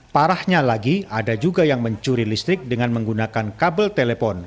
parahnya lagi ada juga yang mencuri listrik dengan menggunakan kabel telepon